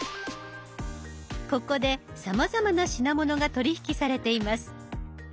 ここでさまざまな品物が取り引きされています。